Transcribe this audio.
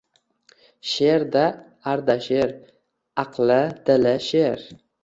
She’rda — Ardasher, aqli, dili sher.